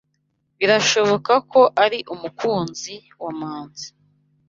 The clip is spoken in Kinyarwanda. Birashoboka ko ari umukunzi wa Manzi.